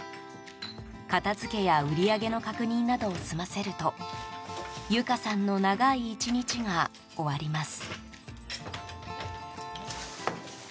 片付けや売り上げの確認などを済ませると由香さんの長い１日が終わります。